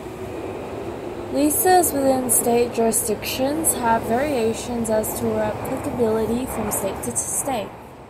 Leases within state jurisdictions have variations as to applicability from state to state.